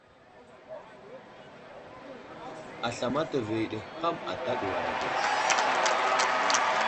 Asla mataviyo ɗi ham ata ɗuwar age.